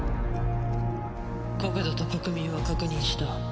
国土と国民は確認した。